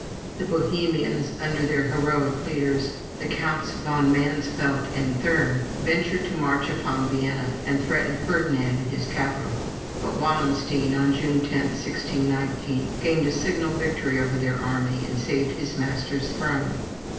The Bohemians, under their heroic leaders, the Counts von Mansfeldt and Thurn, ventured to march upon Vienna, and threaten Ferdinand in his capital; but Wallenstein, on June 10, 1619, gained a signal victory over their army, and saved his master's throne.